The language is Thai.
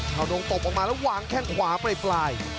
หาดงตบออกมาแล้ววางแค่งขวาไปปลาย